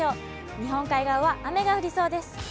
日本海側は雨が降りそうです。